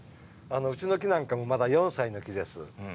うちの木もまだ４歳の木です。